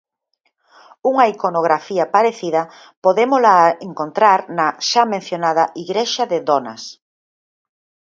Unha iconografía parecida podémola encontrar na xa mencionada igrexa de Donas.